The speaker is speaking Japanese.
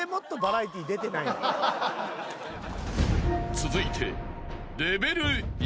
［続いて］